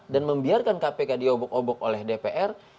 dan membiarkan kpk diobok obok oleh dpr